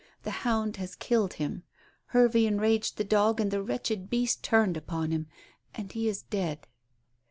The hound has killed him. Hervey enraged the dog, and the wretched beast turned upon him and he is dead."